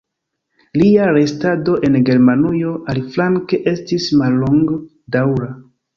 Lia restado en Germanujo, aliflanke, estis mallongdaŭra.